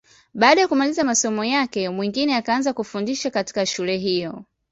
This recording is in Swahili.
Baada ya kumaliza masomo yake, Mwingine akaanza kufundisha katika shule hiyo.